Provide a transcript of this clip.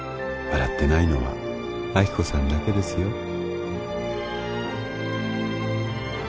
笑ってないのは亜希子さんだけですよ